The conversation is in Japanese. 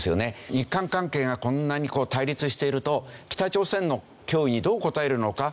日韓関係がこんなに対立していると北朝鮮の脅威にどう応えるのかっていう事になる。